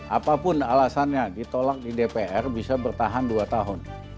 apapun alasannya ditolak di dpr bisa bertahan dua tahun